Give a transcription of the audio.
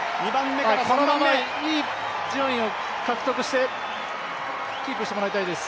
このままいい順位を獲得して、キープしてもらいたいです。